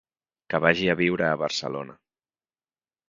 Que vagi a viure a Barcelona.